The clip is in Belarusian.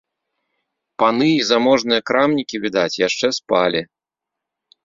Паны і заможныя крамнікі, відаць, яшчэ спалі.